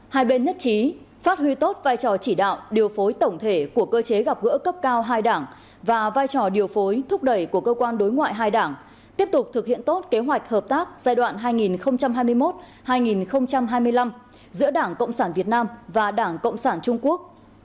hai bên nhất trí phát huy tốt vai trò chỉ đạo điều phối tổng thể của cơ chế gặp gỡ cấp cao hai đảng và vai trò điều phối thúc đẩy của cơ quan đối ngoại hai đảng tiếp tục thực hiện tốt kế hoạch hợp tác giai đoạn hai nghìn hai mươi một hai nghìn hai mươi năm giữa đảng cộng sản việt nam và đảng cộng sản trung quốc